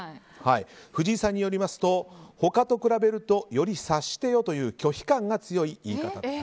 藤井さんによりますと他と比べるとより察してよという拒否感が強い言い方。